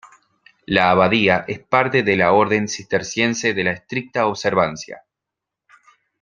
La abadía es parte de la Orden Cisterciense de la Estricta Observancia.